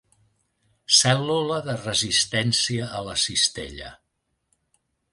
Cèl·lula de resistència a la cistella.